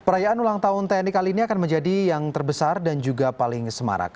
perayaan ulang tahun tni kali ini akan menjadi yang terbesar dan juga paling semarak